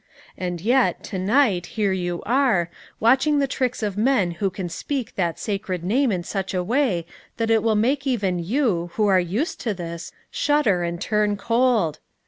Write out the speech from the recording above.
And yet, to night, here you are, watching the tricks of men who can speak that sacred name in such a way that it will make even you, who are used to this, shudder and turn cold.